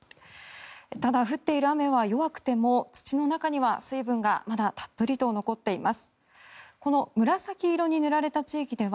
ただ、降っている雨は弱くても土の中には水分がまだたっぷりと残っています。